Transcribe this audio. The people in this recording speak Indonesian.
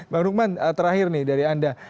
bang rukman terakhir nih dari anda